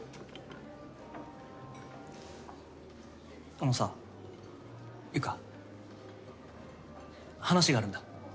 あのさ由夏話があるんだ。